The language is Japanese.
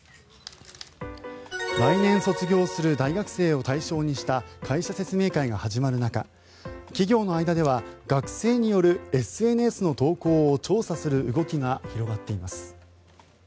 来年卒業する大学生を対象にした会社説明会が始まる中企業の間では学生によるＳＮＳの投稿を調査する動きが広がっています。